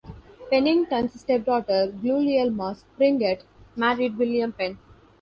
Penington's stepdaughter Gulielma Springett married William Penn.